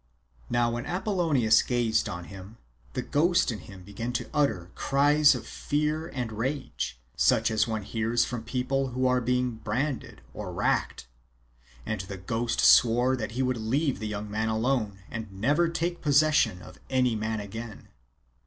Now when Apollonius gazed_on him, the ghost in him began to utter cries. of fear and rage, such as one hears from people who are being branded or racked ; and the ghost swore 'that he would. leave the. young man. alone and never take. possession. of any man again.